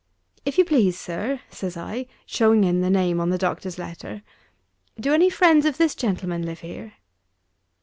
"If you please, Sir," says I, showing him the name on the doctor's letter, "do any friends of this gentleman live here?"